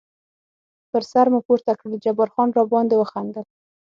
پر سر مو پورته کړل، جبار خان را باندې وخندل.